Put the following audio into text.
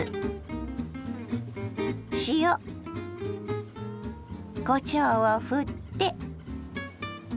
塩こしょうをふって。